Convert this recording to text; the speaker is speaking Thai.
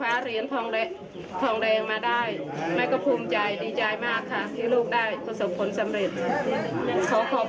ขอขอบคุณพี่น้องชาวไทยที่ส่งแรงใจไปเชียร์สินเพชรกรวยทอง